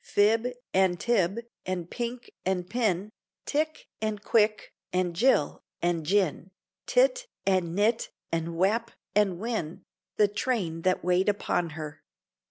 Fib, and Tib, and Pinck, and Pin, Tick, and Quick, and Jil, and Jin, Tit, and Nit, and Wap, and Win, The train that wait upon her.